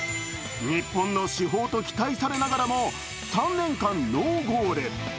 日本の至宝と期待されながらも３年間ノーゴール。